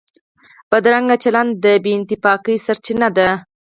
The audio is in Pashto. بدرنګه چلند د بې اتفاقۍ سرچینه ده